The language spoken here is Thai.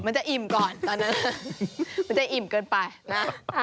จะอิ่มก่อนตอนนั้นมันจะอิ่มเกินไปนะ